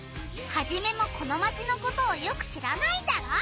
ハジメもこのマチのことをよく知らないんだろ？